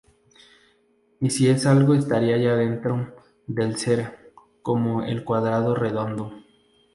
Y si es algo estaría ya dentro del Ser, como el cuadrado redondo.